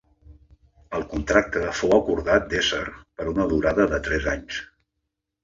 El contracte fou acordat d'ésser per una durada de tres anys.